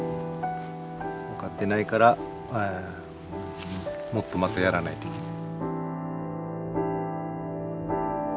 分かってないからもっとまたやらないといけない。